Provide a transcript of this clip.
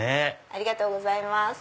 ありがとうございます。